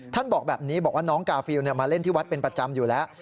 บอกแบบนี้บอกว่าน้องกาฟิลมาเล่นที่วัดเป็นประจำอยู่แล้ว